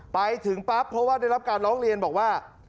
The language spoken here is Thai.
ไปถึงปั๊บเพราะว่าได้รับการร้องเรียนบอกว่า